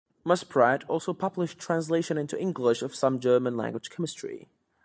Muspratt also published translation into English of some German-language chemistry.